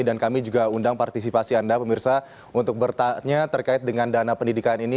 dan kami juga undang partisipasi anda pemirsa untuk bertanya terkait dengan dana pendidikan ini